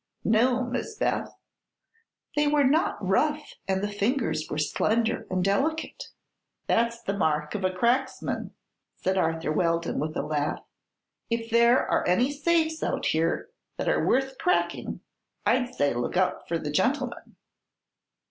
"No, Miss Beth." "They were not rough and the fingers were slender and delicate." "That's the mark of a cracksman," said Arthur Weldon, with a laugh. "If there are any safes out here that are worth cracking, I'd say look out for the gentleman."